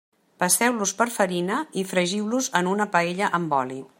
Passeu-los per farina i fregiu-los en una paella amb oli.